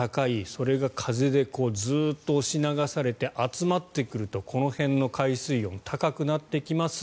それが風でずっと押し流されて集まってくると、この辺の海水温が高くなってきます